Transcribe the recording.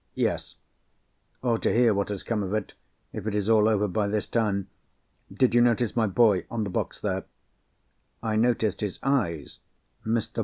"Yes—or to hear what has come of it, if it is all over by this time. Did you notice my boy—on the box, there?" "I noticed his eyes." Mr.